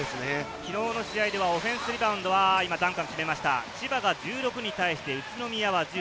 昨日の試合ではオフェンスリバウンドは千葉が１６に対して、宇都宮は１０。